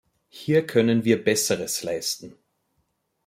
Hier können wir Besseres leisten.